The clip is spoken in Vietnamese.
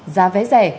giá vé rẻ